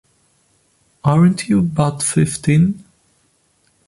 Aren't you but fifteen?